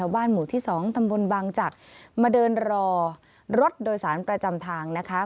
บ้านหมู่ที่๒ตำบลบางจักรมาเดินรอรถโดยสารประจำทางนะคะ